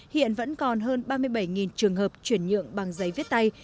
hiện vẫn còn hơn ba mươi bảy trường hợp chuyển nhượng bằng giấy viết tay